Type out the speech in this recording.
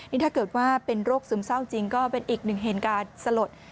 นี่ถ้าเกิดว่าเป็นโรคซึมเศร้าจริงก็เป็นอีกหนึ่งเหตุการณ์สลด